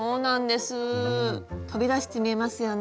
飛び出して見えますよね。